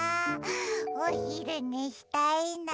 おひるねしたいな。